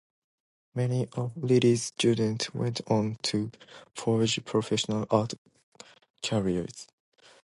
Many of Reilly's students went on to forge professional art careers.